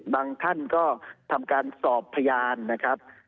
ท่านก็ทำการสอบพยานนะครับ